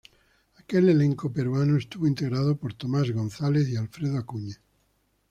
Aquel elenco peruano estuvo integrado por Tomás Gonzáles y Alfredo Acuña.